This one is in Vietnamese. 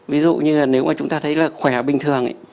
ví dụ như là nếu mà chúng ta thấy là khỏe bình thường ấy